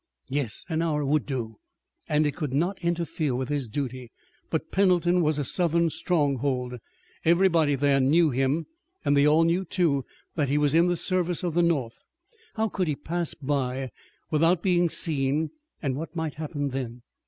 Yes an hour would do! And it could not interfere with his duty! But Pendleton was a Southern stronghold. Everybody there knew him, and they all knew, too, that he was in the service of the North. How could he pass by without being seen and what might happen then?